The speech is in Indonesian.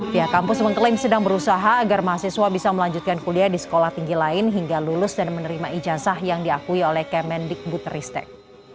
pihak kampus mengklaim sedang berusaha agar mahasiswa bisa melanjutkan kuliah di sekolah tinggi lain hingga lulus dan menerima ijazah yang diakui oleh kemendikbud ristek